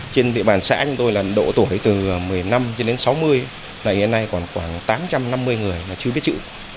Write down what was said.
trên địa bàn xã chúng tôi là độ tuổi từ một mươi năm đến sáu mươi ngày nay khoảng tám trăm năm mươi người là chưa biết chữ